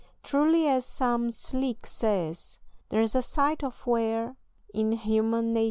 Truly, as Sam Slick says, "there's a sight of wear in human natur'!"